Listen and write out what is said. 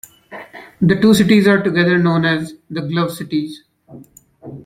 The two cities are together known as the "Glove Cities".